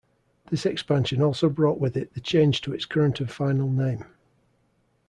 This expansion also brought with it the change to its current and final name.